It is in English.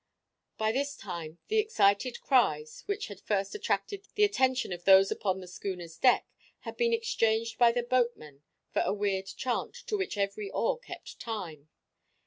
By this time the excited cries, which had first attracted the attention of those upon the schooner's deck, had been exchanged by the boatmen for a weird chant, to which every oar kept time.